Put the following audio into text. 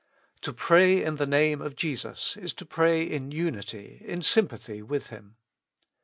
To pray in the Name of Jesus is to pray in unity, in sym pathy with Him.